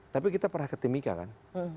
tapi kita pernah ke timika kan